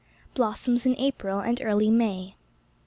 Blossoms in April and early May.